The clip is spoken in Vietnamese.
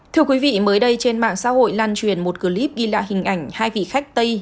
thưa quý vị mới đây trên mạng xã hội lan truyền một clip ghi lại hình ảnh hai vị khách tây